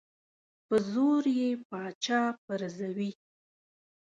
په زور یې پاچا پرزوي.